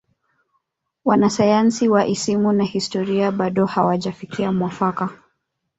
wanasayansi wa isimu na historia bado hawajafikia mwafaka